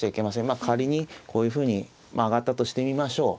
まあ仮にこういうふうに上がったとしてみましょう。